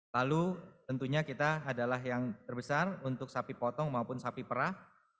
lalu tentunya kita adalah yang terbesar untuk sapi potong maupun sapi perah